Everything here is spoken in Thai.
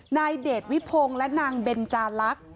นายเดชวิภงและนางเบนจารักษ์